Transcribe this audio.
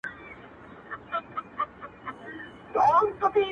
هغـــه اوس داسې په قراره نه ځــــــــي